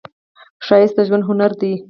ښایست د ژوند هنر دی